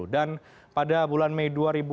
dan pada bulan mei dua ribu empat belas